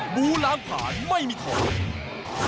บูล้างผ่านไม่มีถอย